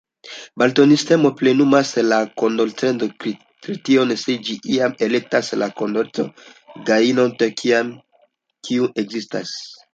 Balotsistemo plenumas la Kondorcet-kriterion, se ĝi ĉiam elektas la Kondorcet-gajninton, kiam tiu ekzistas.